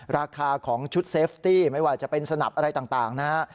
ราคาของชุดเซฟตี้ไม่ว่าจะเป็นสนับอะไรต่างนะฮะ